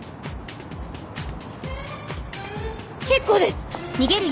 結構です！